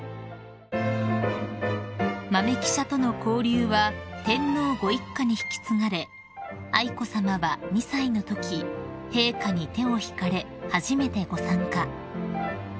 ［豆記者との交流は天皇ご一家に引き継がれ愛子さまは２歳のとき陛下に手を引かれ初めてご参加］